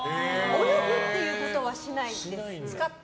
泳ぐっていうことはしないです。